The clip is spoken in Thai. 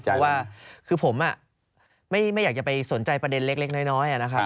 เพราะว่าคือผมไม่อยากจะไปสนใจประเด็นเล็กน้อยนะครับ